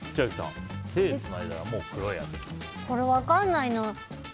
これ、分かんないな。